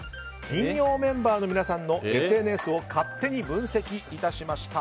金曜メンバーの皆さんのＳＮＳを勝手に分析いたしました。